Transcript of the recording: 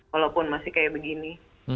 walaupun masih kayak begini